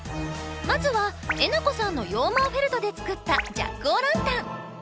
まずはえなこさんの羊毛フェルトで作ったジャック・オ・ランタン。